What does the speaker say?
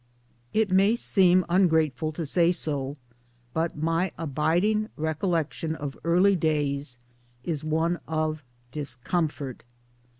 It may seem ungrateful to say so, but my abiding recollection of early days is one of discomfort.